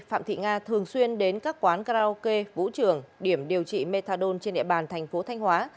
phạm thị nga thường xuyên đến các quán karaoke vũ trường điểm điều trị methadone trên địa bàn thành phố thanh hóa